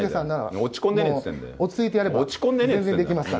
落ち着いてやれば全然できますから。